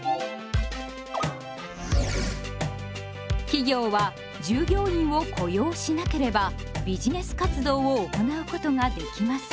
企業は従業員を雇用しなければビジネス活動を行うことができません。